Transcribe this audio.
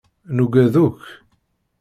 Nugad akk.